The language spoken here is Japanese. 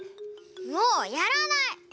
もうやらない！